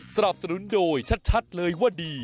สนับสนุนโดยชัดเลยว่าดี